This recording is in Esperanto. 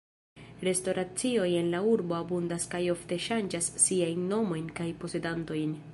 Restoracioj en la urbo abundas kaj ofte ŝanĝas siajn nomojn kaj posedantojn.